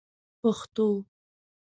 پښتو